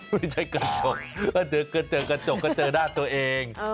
ไม่ใช่กระจกก็เจอกระจกก็เจอหน้าตัวเอง